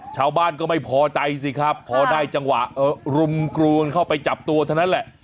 ชาวบ้านก็ไม่พอใจสิครับพอได้จังหวะรุมกรูกันเข้าไปจับตัวเท่านั้นแหละ